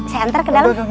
saya antar ke dalam